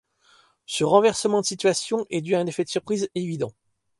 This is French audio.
Ce renversement de situation est dû à un effet de surprise évident.